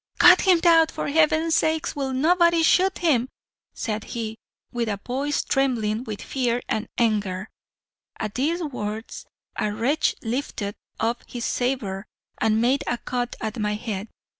"'Cut him down, for Heaven's sake. Will nobody shoot him?" said he, with a voice trembling with fear and anger. "At these words a wretch lifted up his sabre, and made a cut at my head.